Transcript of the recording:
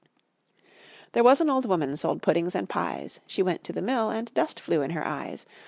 There was an old woman Sold puddings and pies; She went to the mill, And dust flew in her eyes.